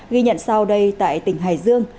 ghi nhận sau đây tại tỉnh hải dương